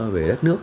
về đất nước